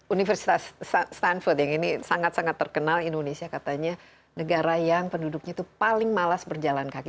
universitas stanford yang ini sangat sangat terkenal indonesia katanya negara yang penduduknya itu paling malas berjalan kaki